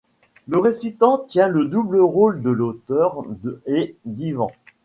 Le récitant tient le double rôle de l'auteur et d'Ivan.